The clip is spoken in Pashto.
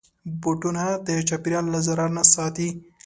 بوټونه د چاپېریال له ضرر نه ساتي.